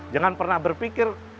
jangan pernah berpikir